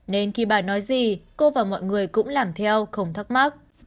nên khi bà nói gì cô và mọi người cũng làm theo không thắc mắc